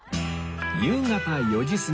夕方４時過ぎ